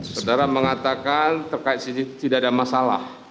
sudara mengatakan terkait sini tidak ada masalah